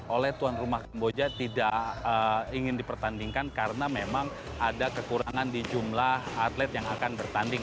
oleh tuan rumah kamboja tidak ingin dipertandingkan karena memang ada kekurangan di jumlah atlet yang akan bertanding